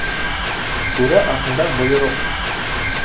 Түрә артында бойороҡ.